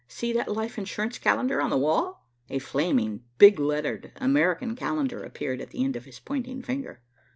"See that life insurance calendar on the wall!" A flaming, big lettered, American calendar appeared at the end of his pointing finger.